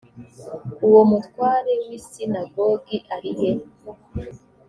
uwo mutware w isinagogi arihe